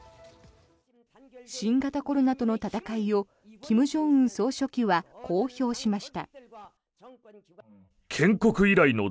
新型コロナとの闘いを金正恩総書記はこう評しました。